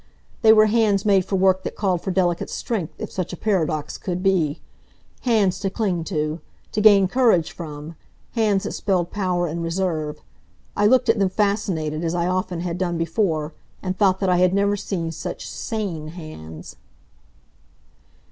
They were hands made for work that called for delicate strength, if such a paradox could be; hands to cling to; to gain courage from; hands that spelled power and reserve. I looked at them, fascinated, as I often had done before, and thought that I never had seen such SANE hands.